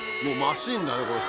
もうマシンだね